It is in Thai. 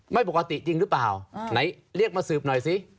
ไม่ปกติจริงหรือเปล่าไหนเรียกมาสืบหน่อยสิ